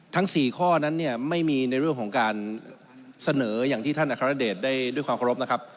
๔ข้อนั้นเนี่ยไม่มีในเรื่องของการเสนออย่างที่ท่านอัครเดชได้ด้วยความเคารพนะครับ